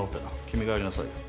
君がやりなさいよ。